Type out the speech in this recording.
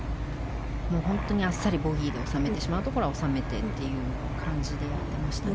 本当にあっさりボギーで収めてしまうところは収めてという感じでやってましたね。